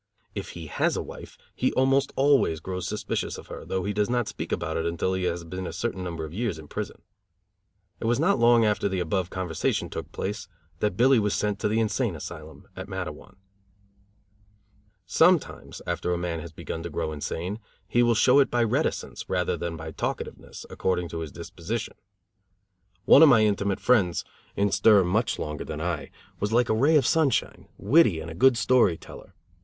If he has a wife he almost always grows suspicious of her, though he does not speak about it until he has been a certain number of years in prison. It was not long after the above conversation took place that Billy was sent to the insane asylum at Matteawan. Sometimes, after a man has begun to grow insane, he will show it by reticence, rather than by talkativeness, according to his disposition. One of my intimate friends, in stir much longer than I, was like a ray of sunshine, witty and a good story teller.